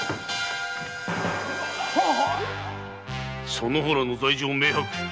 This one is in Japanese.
その方らの罪状明白。